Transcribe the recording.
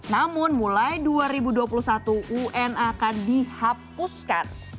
namun mulai dua ribu dua puluh satu un akan dihapuskan